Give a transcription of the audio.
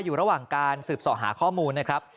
อยู่ระหว่างการสืบส่อหาข้อมูลนะครับ